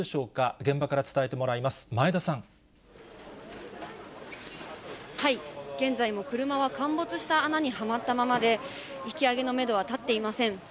現在も車は陥没した穴にはまったままで、引き上げのメドは立っていません。